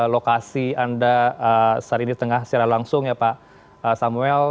lokasi anda saat ini tengah secara langsung ya pak samuel